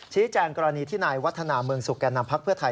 แจ้งกรณีที่นายวัฒนาเมืองสุขแก่นำพักเพื่อไทย